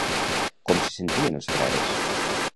Com se sentien els frares?